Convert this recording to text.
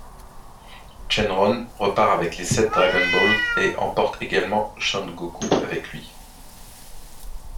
Shenron repart avec les sept Dragon Balls et emporte également Son Goku avec lui.